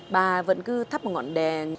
ba vẫn cứ thắp một ngọn đèn